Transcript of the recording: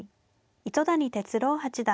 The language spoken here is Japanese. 糸谷哲郎八段。